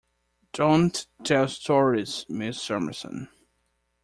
Don't tell stories, Miss Summerson.